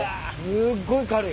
すごい軽い。